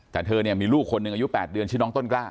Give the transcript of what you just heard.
แต่เธอมีลูกคนหนึ่งอายุ๘เดือนชีวิตน้องต้นกล้า